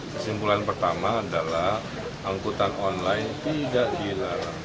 kesimpulan pertama adalah angkutan online tidak hilang